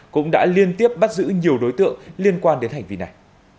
cũng đã liên tiếp bắt giữ nhiều đối tượng liên quan đến hành vi này